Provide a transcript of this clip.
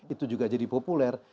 itu juga jadi populer